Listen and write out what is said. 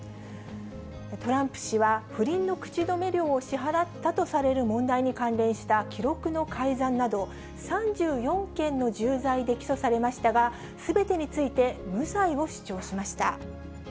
トランプ氏は不倫の口止め料を支払ったとされる問題に関連した記録の改ざんなど、３４件の重罪で起訴されましたが、すべてについて無罪を主張しました。